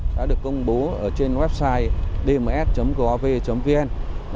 đã được công bố trên website dms gov vn